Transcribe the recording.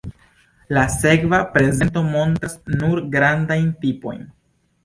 La sekva prezento montras nur grandajn tipojn.